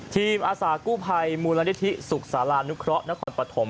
อาสากู้ภัยมูลนิธิสุขศาลานุเคราะหนครปฐม